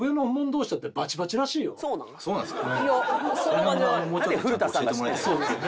そうなんですか？